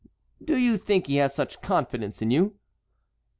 "Do you think he has such confidence in you?"